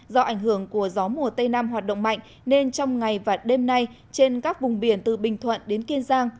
do ảnh hưởng của gió mùa tây nam hoạt động mạnh nên trong ngày và đêm nay trên các vùng biển từ bình thuận đến kiên giang